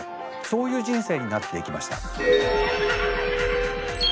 そういう人生になっていきました。